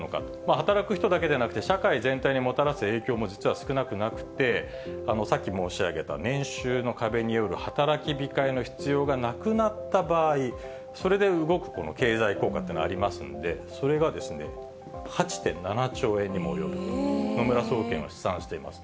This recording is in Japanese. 働く人だけでなくて、社会全体にもたらす影響も実は少なくなくて、さっき申し上げた年収の壁による働き控えの必要がなくなった場合、それで動く、この経済効果っていうのはありますんで、それが８．７兆円にも及ぶと野村総研は試算しています。